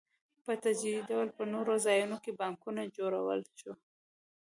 په تدریجي ډول په نورو ځایونو کې بانکونه جوړ شول